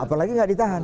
apalagi tidak ditahan